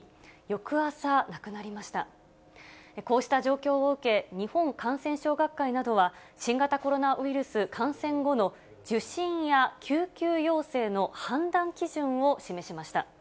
こうした状況を受け、日本感染症学会などは、新型コロナウイルス感染後の受診や救急要請の判断基準を示しました。